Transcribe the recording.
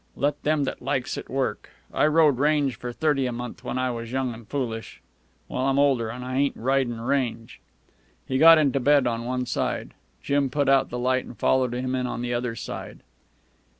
Let them that likes it, work. I rode range for thirty a month when I was young an' foolish. Well, I'm older, an' I ain't ridin' range." He got into bed on one side. Jim put out the light and followed him in on the other side.